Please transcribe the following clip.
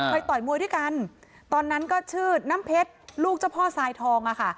ต่อยมวยด้วยกันตอนนั้นก็ชื่อน้ำเพชรลูกเจ้าพ่อทรายทองอะค่ะ